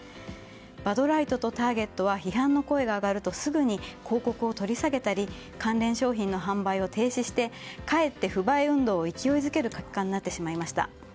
バドライトとターゲットは批判の声が上がるとすぐに広告を取り下げたり関連商品の販売を停止してかえって不買運動を勢いづける結果になってしまいました。